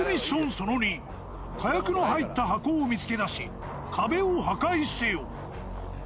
その２、火薬の入った箱を見つけ出し、壁を破壊せよ。